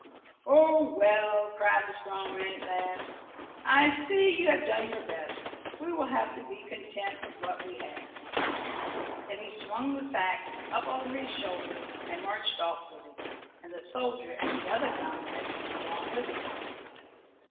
"Oh, well!" cried the strong man at last, "I see you have done your best; we will have to be content with what we have." Then he swung the sack up over his shoulder and marched off with it, and the soldier and the other comrades went along with him.